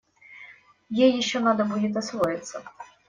Ей еще надо будет освоиться.